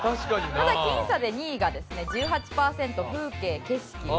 ただ僅差で２位がですね１８パーセント風景・景色ですね。